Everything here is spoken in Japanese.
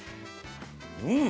うん。